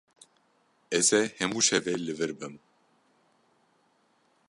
Ez ê hemû şevê li vir bim.